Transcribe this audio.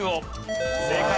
正解。